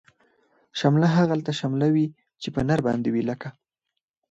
شمله هغلته شمله وی، چه په نرباندی وی لکه